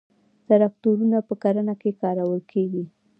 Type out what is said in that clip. تراکتورونه په کرنه کې کارول کیږي